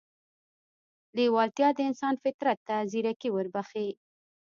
لېوالتیا د انسان فطرت ته ځيرکي وربښي.